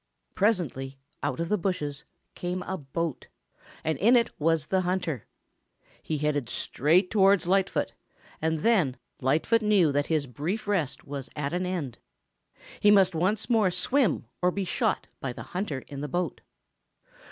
Presently out of the bushes came a boat, and in it was the hunter. He headed straight towards Lightfoot, and then Lightfoot knew that his brief rest was at an end. He must once more swim or be shot by the hunter in the boat.